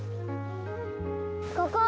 ここ！